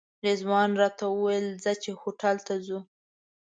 رضوان راته وویل ځه چې هوټل ته ځو.